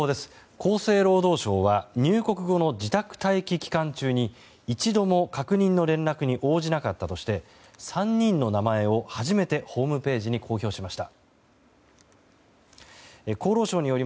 厚生労働省は入国後の自宅待機期間中に一度も確認の連絡に応じなかったとして３人の名前を初めてホームページに公表しました。